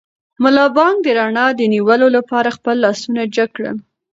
ملا بانګ د رڼا د نیولو لپاره خپل لاسونه جګ کړل.